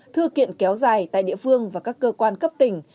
thư kiện kéo dài tại địa phương và các cơ quan cấp tỉnh